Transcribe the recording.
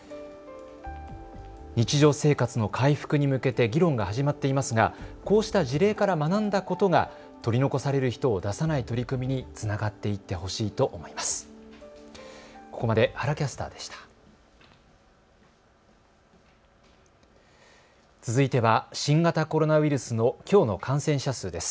日常生活の回復に向けて議論が始まっていますが、こうした事例から学んだことが取り残される人を出さない取り組みにつながっていってほしいと思います。